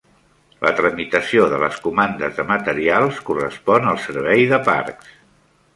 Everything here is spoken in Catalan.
La tramitació de les comandes de materials correspon al Servei de Parcs.